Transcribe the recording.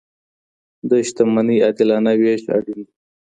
د شتمنۍ عادلانه وېش اړین دی.